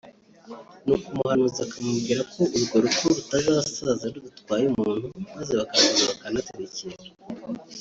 nuko umuhanuzi akamubwira ko urwo rugo rutazasaza rudatwaye umuntu maze bakaraguza bakanaterekera